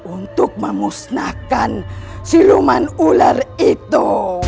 untuk memusnahkan siluman ular itu